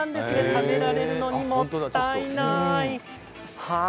食べられるのにもったいない。